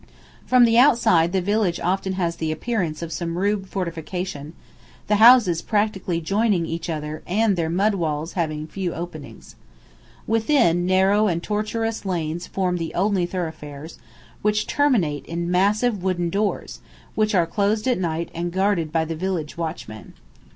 ] From the outside the village often has the appearance of some rude fortification, the houses practically joining each other and their mud walls having few openings. Within, narrow and tortuous lanes form the only thoroughfares, which terminate in massive wooden doors, which are closed at night and guarded by the village watchman.